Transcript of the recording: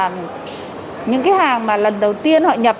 những cái hàng mà lần đầu tiên họ nhập